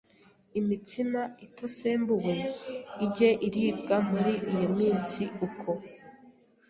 Imitsima itasembuwe ijye iribwa muri iyo minsi uko